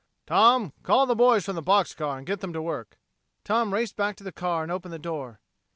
"Tom, call the boys from the box car and get them to work." Tom raced back to the car and opened the door.